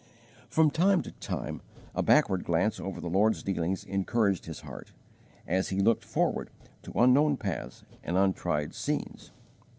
From time to time a backward glance over the Lord's dealings encouraged his heart, as he looked forward to unknown paths and untried scenes.